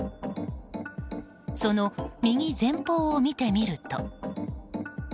その右前方を見てみると。